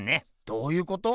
どういうこと？